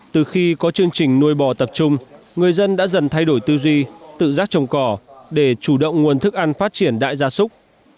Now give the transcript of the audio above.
từ khi có chương trình nuôi bò tập trung người dân đã dần thay đổi tư duy tự giác trồng cỏ để chủ động nguồn thức ăn phát triển đại gia súc